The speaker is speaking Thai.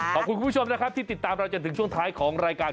ขอบคุณคุณผู้ชมนะครับที่ติดตามเราจนถึงช่วงท้ายของรายการ